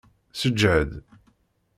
Seǧhed!